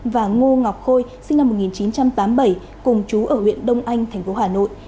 và ngo ngọc khôi sinh năm một nghìn chín trăm tám mươi bảy cùng chú ở huyện đông anh thành phố hà nội